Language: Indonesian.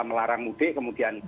melarang mudik kemudian